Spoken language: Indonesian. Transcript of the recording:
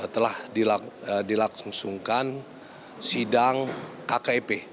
telah dilaksusungkan sidang kkip